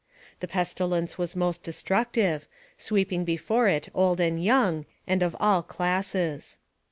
The pestilence was most destructive, sweeping before it old and young, and of all classes.